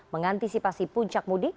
mengantisipasi puncak mudik